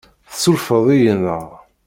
Tessurfeḍ-iyi, naɣ?